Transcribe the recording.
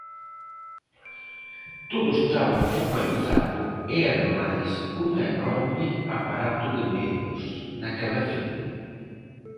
Todo estaba focalizado, e ademais cun enorme aparato de medios, naquela figura.